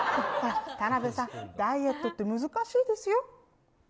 田辺さんダイエットって難しいですよ。